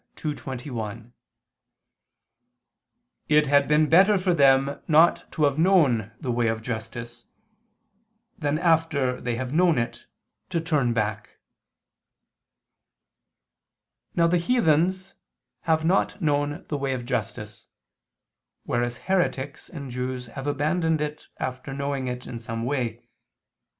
2:21): "It had been better for them not to have known the way of justice, than after they have known it, to turn back." Now the heathens have not known the way of justice, whereas heretics and Jews have abandoned it after knowing it in some way.